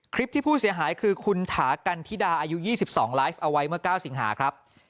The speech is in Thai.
คลิปที่ผู้เสียหายคือคุณถากันธิดาอายุ๒๒ไลฟ์เอาไว้เมื่อ๙สิงหาครับ